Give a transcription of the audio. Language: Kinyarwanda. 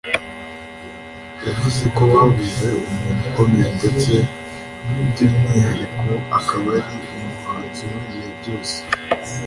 yavuze ko ‘babuze umuntu ukomeye ndetse by’umwihariko akaba ari umuhanzi w’ibihe byose’